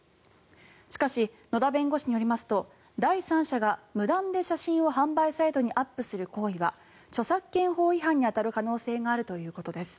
しかし、野田弁護士によりますと第三者が無断で写真を販売サイトにアップする行為は著作権法違反に当たる可能性があるということです。